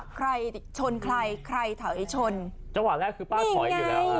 ใครชนใครใครถอยชนจังหวะแรกคือป้าถอยอยู่แล้วฮะ